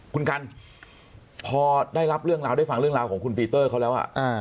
คุณกันพอได้รับเรื่องราวได้ฟังเรื่องราวของคุณปีเตอร์เขาแล้ว